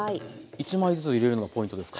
１枚ずつ入れるのがポイントですか？